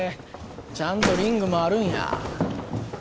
ちゃんとリングもあるんや。